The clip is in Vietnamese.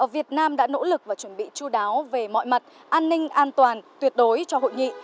việt nam đã nỗ lực và chuẩn bị chú đáo về mọi mặt an ninh an toàn tuyệt đối cho hội nghị